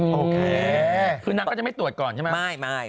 โอเคก็จะไม่ตรวจก่อนใช่มั้ย